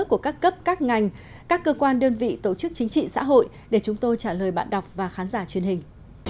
của các cấp các ngành các cơ quan đơn vị tổ chức chính trị xã hội để chúng tôi trả lời bạn đọc và khán giả truyền hình